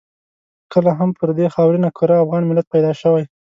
کله هم پر دې خاورینه کره افغان ملت پیدا شوی.